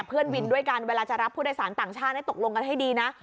เพื่อนวินด้วยกันเวลาจะรับผู้โดยสารต่างชาติให้ตกลงกันให้ดีนะ